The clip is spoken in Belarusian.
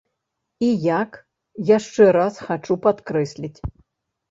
І як, яшчэ раз хачу падкрэсліць.